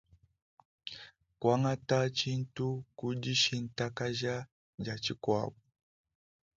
Kuangata tshintu ku dishintakaja dia tshikuabu.